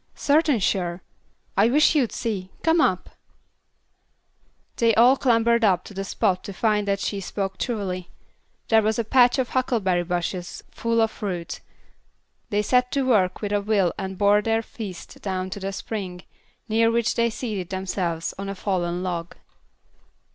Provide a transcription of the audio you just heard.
"Certain sure. I wish you'd see. Come up." And they clambered up to the spot to find that she spoke truly: there was a patch of huckleberry bushes full of fruit. They set to work with a will and bore their feast down to the spring, near which they seated themselves on a fallen log.